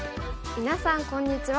みなさんこんにちは。